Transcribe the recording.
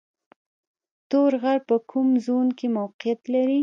تور غر په کوم زون کې موقعیت لري؟